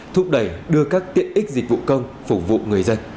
thúc đẩy đưa các tiện ích dịch vụ công phục vụ người dân